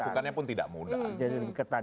melakukannya pun tidak mudah